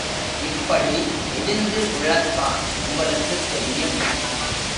இப்படி எரிந்து விழத்தான் உங்களுக்குத் தெரியும்!